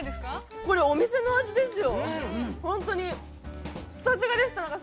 ◆これ、お店の味ですよ。